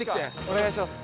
お願いします。